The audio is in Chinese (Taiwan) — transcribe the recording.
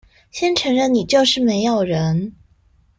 先承認你就是沒有人